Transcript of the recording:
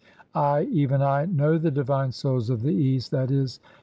I, even I, know the divine Souls of the East, that is to I.